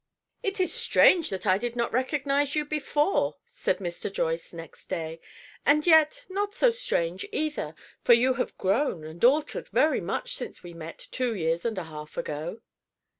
"It is strange that I did not recognize you before," said Mr. Joyce next day; "and yet not so strange either, for you have grown and altered very much since we met, two years and a half ago."